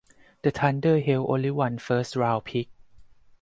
The Thunder held only one first round pick.